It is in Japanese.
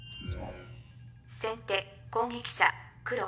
先手攻撃者黒。